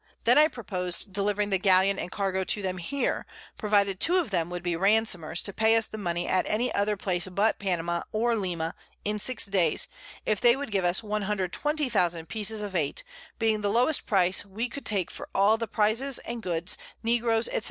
Then I propos'd delivering the Galleon and Cargo to them here, provided 2 of them would be Ransomers to pay us the Money at any other Place but Panama or Lima, in Six Days, if they would give us 120000 Pieces of Eight, being the lowest Price we could take for all the Prizes and Goods, Negroes, _&c.